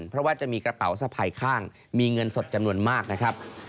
เพราะว่าจะมีกระเป๋าสะพายข้างมีเงินสดจำนวนมากนะครับ